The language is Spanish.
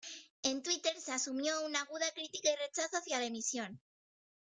En Twitter se asumió una aguda crítica y rechazo hacia la emisión.